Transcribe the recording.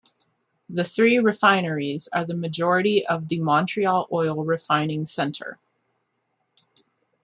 The three refineries are the majority of the Montreal Oil Refining Center.